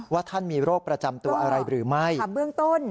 ว่าท่านมีโรคประจำตัวอะไรหรือไม่ทำเบื้องต้น